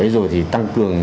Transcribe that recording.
rồi thì tăng cường